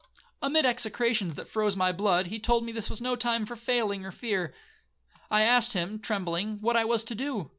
Amid execrations that froze my blood, he told me this was no time for failing or for fear. I asked him, trembling, what I was to do?